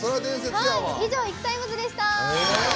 以上「ＩＫＵＴＩＭＥＳ」でした。